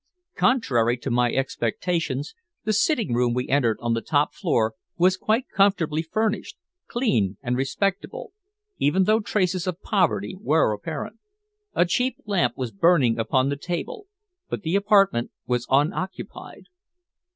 Contrary to my expectations, the sitting room we entered on the top floor was quite comfortably furnished, clean and respectable, even though traces of poverty were apparent. A cheap lamp was burning upon the table, but the apartment was unoccupied.